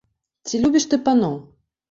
Ці любіш ты паноў?